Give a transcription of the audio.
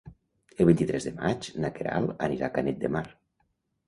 El vint-i-tres de maig na Queralt anirà a Canet de Mar.